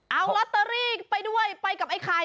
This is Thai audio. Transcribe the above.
เอาลอตเตอรี่ไปด้วยไปกับไอ้ไข่